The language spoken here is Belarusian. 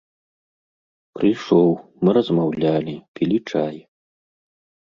Прыйшоў, мы размаўлялі, пілі чай.